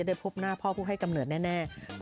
อุ้ยกี่แพ็คเนี่ย